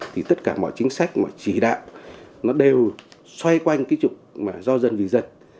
thì tất cả mọi chính sách mọi chỉ đạo nó đều xoay quanh cái trục do dân vì dân